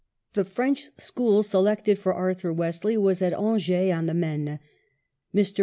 The French school selected for Arthui: Wesley was at Angers on the Maine. Mr.